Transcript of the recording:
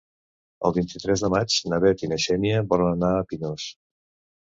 El vint-i-tres de maig na Bet i na Xènia volen anar a Pinós.